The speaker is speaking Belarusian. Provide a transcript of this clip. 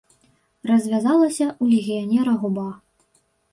Развязалася ў легіянера губа.